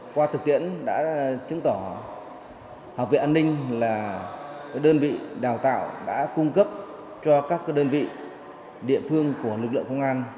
qua thực tiễn đã chứng tỏ học viện an ninh là đơn vị đào tạo đã cung cấp cho các đơn vị địa phương của lực lượng công an